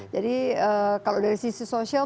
jadi kalau dari sisi sosial